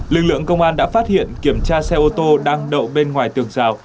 lực lượng công an đã phát hiện kiểm tra xe ô tô đang đậu bên ngoài tường rào